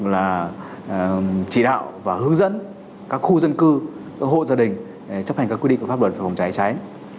là chỉ đạo và hướng dẫn các khu dân cư các hộ gia đình chấp hành các quy định của pháp luật về phòng cháy cháy